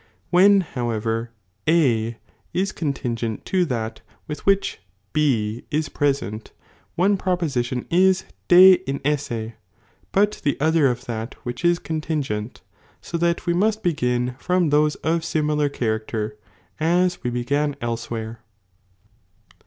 When however A is contingent to that j ^„inn^ with which B is present, one profusition is de in i^m ibecon ease, but the other of that which is contingent, so ;^,iJ,'^n?'^i. that we must begin from those of similar character, idkIihii pic as we began elsewhere.'